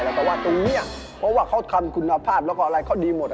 แล้วก็ว่าตรงนี้เพราะว่าเขาทำคุณภาพแล้วก็อะไรเขาดีหมด